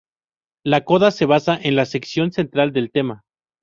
La coda se basa en la sección central del tema.